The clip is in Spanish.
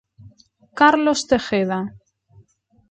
Carlos Tejeda.